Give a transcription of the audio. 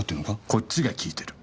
こっちが訊いてる。